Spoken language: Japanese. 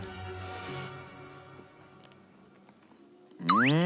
うん！